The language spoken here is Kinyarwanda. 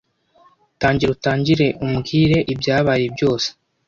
Tangira utangire umbwire ibyabaye byose.